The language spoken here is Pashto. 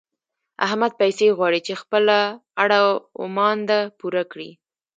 احمد پيسې غواړي چې خپله اړه و مانده پوره کړي.